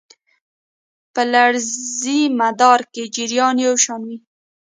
په لړیز مدار کې جریان یو شان وي.